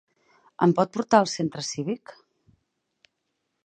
Em pot portar al Centre cívic?